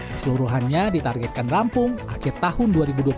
keseluruhannya ditargetkan rampung akhir tahun dua ribu dua puluh tiga